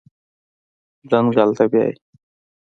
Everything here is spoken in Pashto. ځنګل ته بیایي